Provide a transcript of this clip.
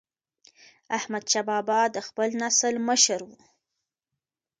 احمدشاه بابا د خپل نسل مشر و.